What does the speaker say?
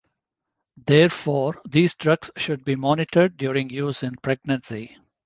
Therefore, these drugs should be monitored during use in pregnancy.